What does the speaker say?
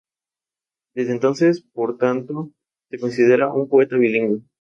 Desde entonces, por tanto, se considera un poeta bilingüe.